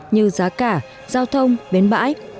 như giá cả giao thông bến bãi